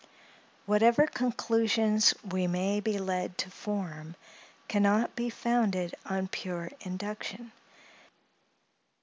Whatever conclusions we may be led to form, can not be founded on pure induction.